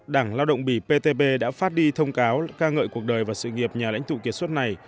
đảng lao động bỉ ptp đã phát đi thông cáo ca ngợi cuộc đời và sự nghiệp nhà lãnh tụ kiệt xuất này